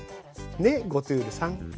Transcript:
ねゴトゥールさん。